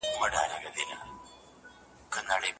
نورو ته د خیر لاس ورکړئ.